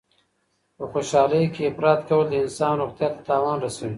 په خوشحالۍ کي افراط کول د انسان روغتیا ته تاوان رسوي.